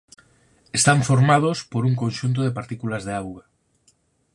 Están formados por un conxunto de partículas de auga.